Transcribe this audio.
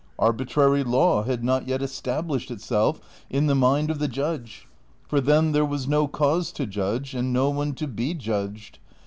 Arbitrary laAV had not yet established itself in the mind of the judge, for then there Avas no cause to judge, and no one to be judged.